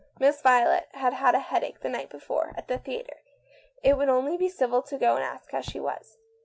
Miss Violet had had a head ache the night before at the theatre. It would only be civil to go and ask how she was.